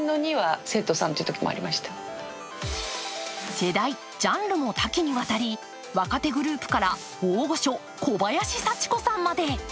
世代・ジャンルも多岐にわたり若手グループから大御所・小林幸子さんまで。